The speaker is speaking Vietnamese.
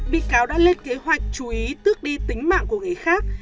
bị cáo đã lên kế hoạch chú ý tước đi tính mạng của người khác